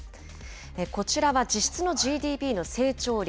こちらは実質のＧＤＰの成長率。